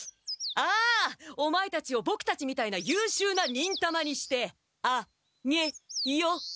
ああオマエたちをボクたちみたいなゆうしゅうな忍たまにしてあげよう！